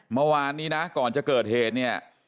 เมื่อวานนี้นะก่อนจะเกิดเหตุเนี่ย